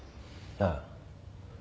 ああ。